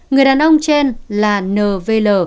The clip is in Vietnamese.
người đàn ông trên là n v l